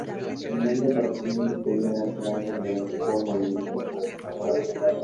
El hombre respondió que quería hacer algo relevante por el Movimiento Scout.